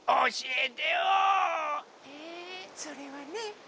えそれはね